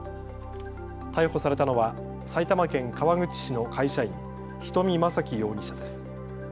逮捕されたのは埼玉県川口市の会社員、人見正喜容疑者です。